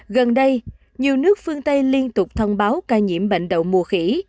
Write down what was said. gần đây nhiều nước phương tây liên tục thông báo ca nhiễm bệnh đậu mùa khỉ